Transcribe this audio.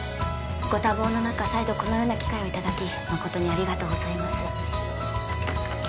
ご多忙の中再度このような機会をいただき誠にありがとうございます